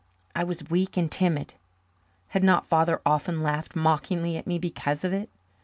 I was weak and timid. Had not Father often laughed mockingly at me because of it?